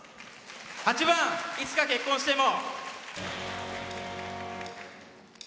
８番「いつか結婚しても」。